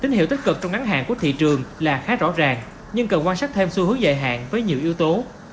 tín hiệu tích cực trong ngắn hạn của thị trường là khá rõ ràng nhưng cần quan sát thêm xu hướng dài hạn với nhiều yếu tố